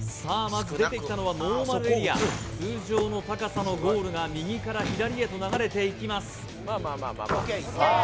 まず出てきたのはノーマルエリア通常の高さのゴールが右から左へと流れていきますさあ